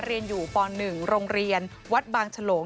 เรียนอยู่ป๑โรงเรียนวัดบางฉลง